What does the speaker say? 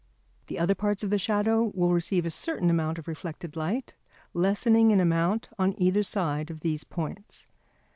The other parts of the shadow will receive a certain amount of reflected light, lessening in amount on either side of these points.